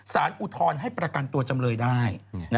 อุทธรณ์ให้ประกันตัวจำเลยได้